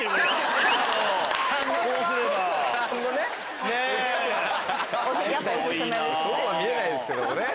そうは見えないですけどもね。